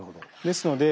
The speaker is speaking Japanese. ですので